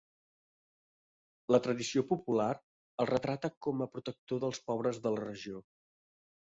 La tradició popular el retrata com a protector dels pobres de la regió.